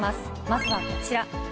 まずはこちら。